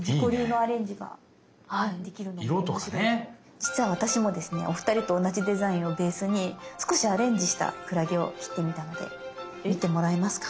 実は私もですねお二人と同じデザインをベースに少しアレンジしたクラゲを切ってみたので見てもらえますか。